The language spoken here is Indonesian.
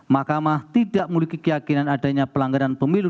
mahkamah tidak memiliki keyakinan adanya pelanggaran pemilu